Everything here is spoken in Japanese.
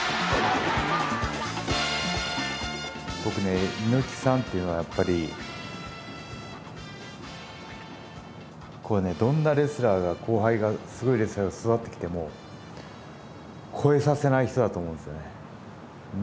ぼくね猪木さんというのはやっぱりこれねどんなレスラーが後輩がすごいレスラーが育ってきても超えさせない人だと思うんですよね。